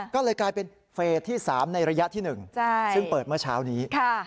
ก็เลยกลายเป็นเฟสที่๓ในระยะที่๑ซึ่งเปิดเมื่อเช้านี้